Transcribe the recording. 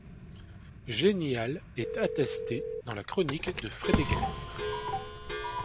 Genial est attesté dans la Chronique de Frédégaire.